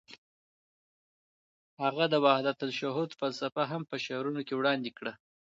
هغه د وحدت الشهود فلسفه هم په شعرونو کې وړاندې کړه.